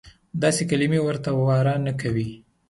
داسې کلیمې ورته واره نه کوي.